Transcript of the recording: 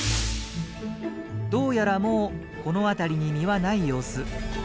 どうやらもうこの辺りに実はない様子。